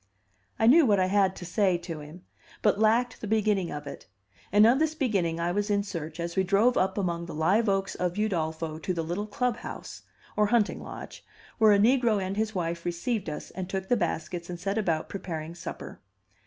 I knew what I had to say to him, but lacked the beginning of it; and of this beginning I was in search as we drove up among the live oaks of Udolpho to the little club house, or hunting lodge, where a negro and his wife received us, and took the baskets and set about preparing supper.